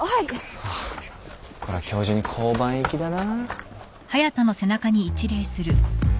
こりゃ今日中に交番行きだな。